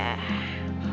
berhasil juga jebakan gue